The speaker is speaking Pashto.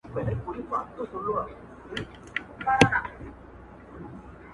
رقیب ته وګرځه اسمانه پر ما ښه لګیږي -